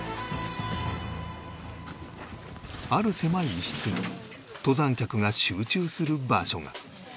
ある狭い一室に登山客が集中する場所が